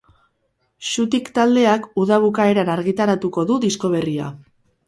Xutik taldeak uda bukaeran argitaratuko du disko berria.